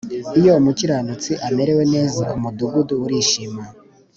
iyo umukiranutsi amerewe neza umudugudu urishima,